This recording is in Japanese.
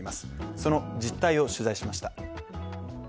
その実態を取材しました。